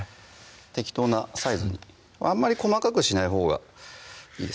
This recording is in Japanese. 適当なサイズにあんまり細かくしないほうがいいですね